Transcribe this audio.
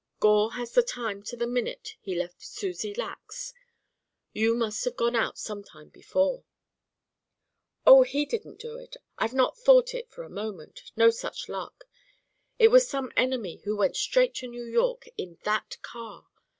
Gore has the time to the minute he left Susie Lacke's; you must have gone out some time before " "Oh, he didn't do it. I've not thought it for a moment. No such luck. It was some enemy who went straight to New York in that car.